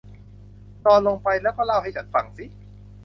นอนลงไป และก็เล่าให้ฉันฟังสิ